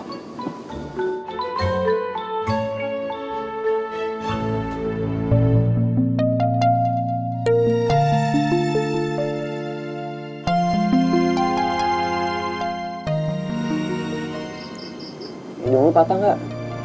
hidung lu patah gak